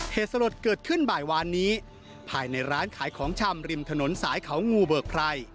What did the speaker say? เหตุสลดเกิดขึ้นบ่ายวานนี้ภายในร้านขายของชำริมถนนสายเขางูเบิกไพร